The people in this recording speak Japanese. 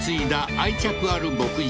愛着ある牧場